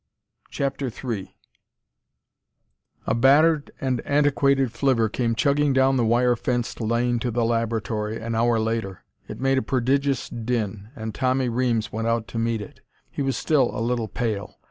CHAPTER III A battered and antiquated flivver came chugging down the wire fenced lane to the laboratory, an hour later. It made a prodigious din, and Tommy Reames went out to meet it. He was still a little pale.